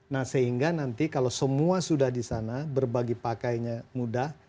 nah sehingga nanti kalau semua sudah di sana berbagi pakainya mudah